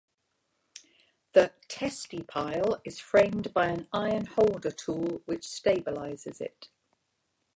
The "testi" pile is framed by an iron holder tool which stabilizes it.